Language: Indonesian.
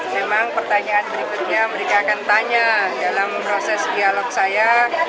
memang pertanyaan berikutnya mereka akan tanya dalam proses dialog saya